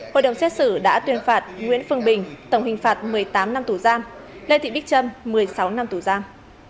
hội đồng xét xử đã tuyên phạt nguyễn phương bình tổng hình phạt một mươi tám năm tù giam lê thị bích trâm một mươi sáu năm tù giam